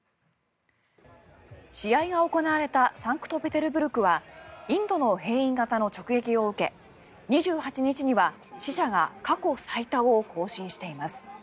試合が行われたサンクトペテルブルクはインドの変異型の直撃を受け２８日には死者が過去最多を更新しています。